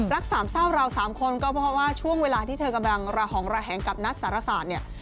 สามเศร้าเราสามคนก็เพราะว่าช่วงเวลาที่เธอกำลังระหองระแหงกับนัทสารศาสตร์เนี่ย